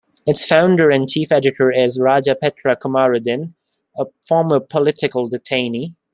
Its founder and chief editor is Raja Petra Kamarudin, a former political detainee.